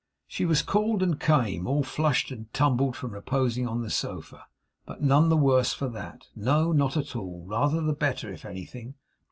She was called and came, all flushed and tumbled from reposing on the sofa; but none the worse for that. No, not at all. Rather the better, if anything.